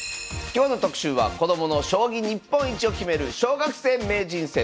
今日の特集は子供の将棋日本一を決める小学生名人戦。